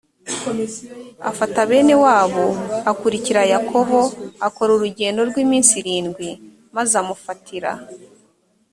afata bene wabo akurikira yakobo akora urugendo rw iminsi irindwi maze amufatira